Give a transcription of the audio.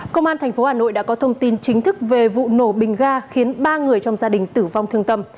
công an tp hà nội đã có thông tin chính thức về vụ nổ bình ga khiến ba người trong gia đình tử vong thương tâm